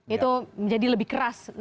itu menjadi lebih keras